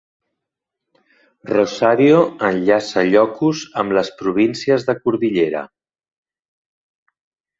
Rosario enllaça Ilocos amb les províncies de Cordillera.